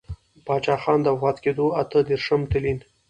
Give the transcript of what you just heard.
پــاچــاخــان د وفــات کـېـدو اته درېرشم تـلـيـن.